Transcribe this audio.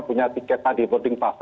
punya tiket tadi boarding pass